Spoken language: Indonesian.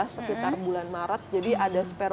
sekitar bulan maret jadi ada spare